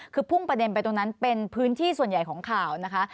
คือพุ่งประเด็นไปตรงนั้นเป็นพื้นที่ส่วนใหญ่ของข่าวนะคะ